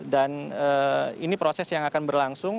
dan ini proses yang akan berlangsung